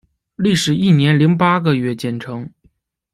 历时一年零八个月建成。